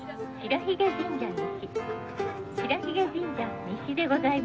「白鬚神社西でございます」